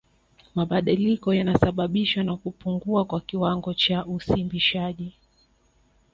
Mabadiliko yanasababishwa na kupungua kwa kiwango cha usimbishaji